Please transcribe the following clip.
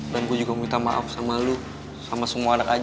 dan ku juga minta maaf sama lu sama semua anak aj